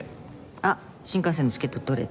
あっ新幹線のチケット取れた。